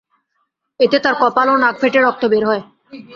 এতে তাঁর কপাল ও নাক ফেটে রক্ত বের হয়।